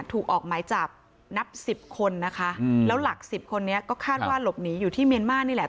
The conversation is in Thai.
ถูกออกหมายจับนับสิบคนนะคะแล้วหลักสิบคนนี้ก็คาดว่าหลบหนีอยู่ที่เมียนมาร์นี่แหละ